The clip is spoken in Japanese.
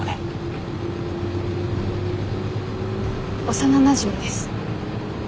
幼なじみです。